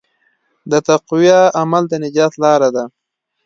د تقوی عمل د نجات لاره ده.